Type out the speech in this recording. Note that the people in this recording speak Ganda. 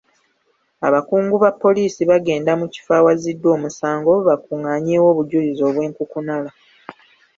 Abakungu ba poliisi bagenda mu kifo awaziddwa omusango bakungaanyeewo obujulizi obwenkukunala.